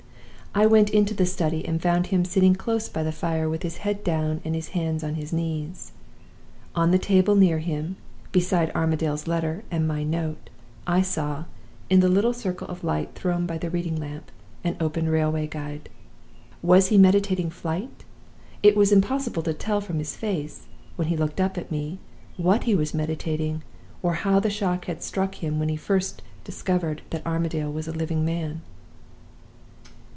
"I went into the study, and found him sitting close by the fire with his head down and his hands on his knees. On the table near him, beside Armadale's letter and my note, I saw, in the little circle of light thrown by the reading lamp, an open railway guide. Was he meditating flight? It was impossible to tell from his face, when he looked up at me, what he was meditating, or how the shock had struck him when he first discovered that Armadale was a living man.